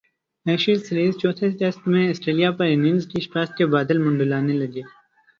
Ashes series چوتھے test میں Australia پر اننگز کی شکست کے بادل منڈلانے لگے